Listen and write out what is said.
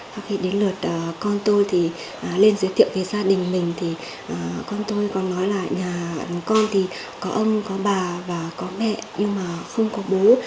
và khi đến lượt con tôi thì lên giới thiệu về gia đình mình thì con tôi có nói là nhà con thì có ông có bà và có mẹ nhưng mà không có bố